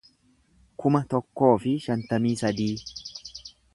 kuma tokkoo fi shantamii sadii